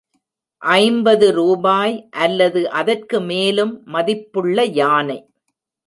ஐம்பது ரூபாய் அல்லது அதற்கு மேலும் மதிப்புள்ள யானை